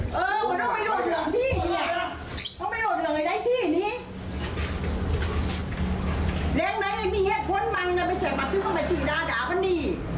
มันทำไรมันไม่ใช่ดันเผื่อนเลยเพราะมันถึงนั้นไม่จ้าโหลดเหลืองไอไอที่นี้